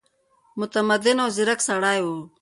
متمدن او ځیرک سړی وو.